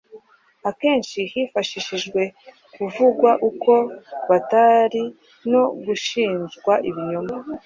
Akenshi hifashishijwe kuvugwa uko batari no gushinjwa ibinyoma,